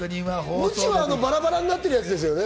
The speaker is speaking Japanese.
ムチはバラバラになってるやつですよね？